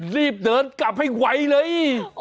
รีบเดินกลับให้ไวเลย